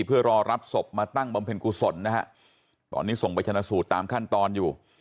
เพื่อรอรับศพมาตั้งบำเพ็ญกุศลนะฮะตอนนี้ส่งไปชนะสูตรตามขั้นตอนอยู่